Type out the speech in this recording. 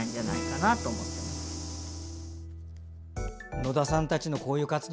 野田さんたちのこういう活動